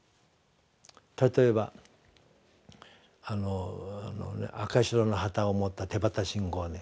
例えば赤白の旗を持った手旗信号